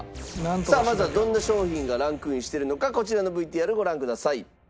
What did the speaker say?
さあまずはどんな商品がランクインしてるのかこちらのＶＴＲご覧ください。